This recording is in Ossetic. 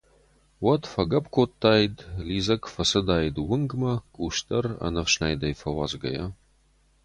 Уӕд фӕгӕпп кодтаид, лидзӕг фӕцадаид уынгмӕ, къус дӕр ӕнӕфснайдӕй фӕуадзгӕйӕ.